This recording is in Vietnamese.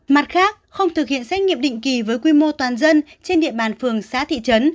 mặt khác không thực hiện xét nghiệm định kỳ với quy mô toàn dân trên địa bàn phường xã thị trấn